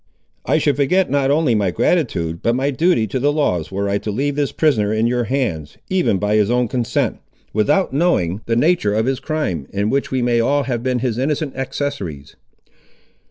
"I should forget not only my gratitude, but my duty to the laws, were I to leave this prisoner in your hands, even by his own consent, without knowing the nature of his crime, in which we may have all been his innocent accessaries."